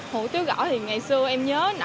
hủ tiếu gõ thì ngày xưa em nhớ